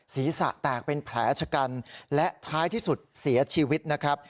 ศีรษะแตกเป็นแผลชะกันและท้ายที่สุดเสียชีวิตนะครับ